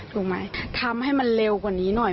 ถูกไหมทำให้มันเร็วกว่านี้หน่อย